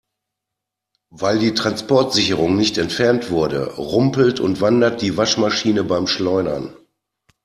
Weil die Transportsicherung nicht entfernt wurde, rumpelt und wandert die Waschmaschine beim Schleudern.